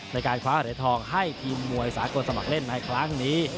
ในการคว้าเหรียญทองให้ทีมมวยสากลสมัครเล่นในครั้งนี้